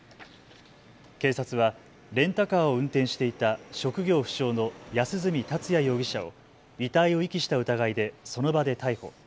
警察はレンタカーを運転していた職業不詳の安栖達也容疑者を遺体を遺棄した疑いでその場で逮捕。